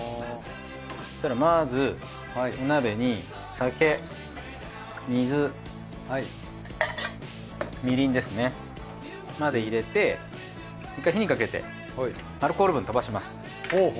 そしたらまずお鍋に酒水みりんですねまで入れて１回火にかけてアルコール分飛ばします。